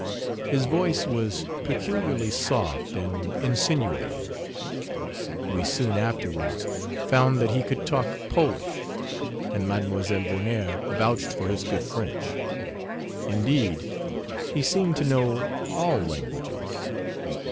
His voice was peculiarly soft and insinuating. We soon afterwards found that he could talk Polish, and Mlle Vonnaert vouched for his good French. Indeed he seemed to know all languages.